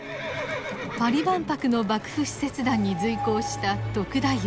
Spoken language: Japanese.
パリ万博の幕府使節団に随行した篤太夫。